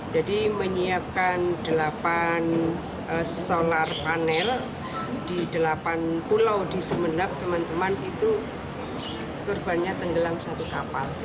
jadi menyiapkan delapan solar panel di delapan pulau di sumen teman teman itu turbannya tenggelam satu kapal